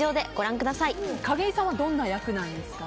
景井さんはどんな役ですか？